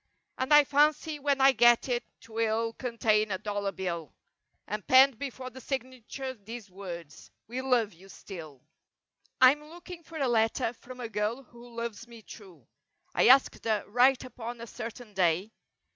And I fancy when I get it 'twill contain a dollar bill; And penned before the signature these words— "We love you—still." Fm looking for a letter from a girl who loves me true. I asked her write upon a certain day.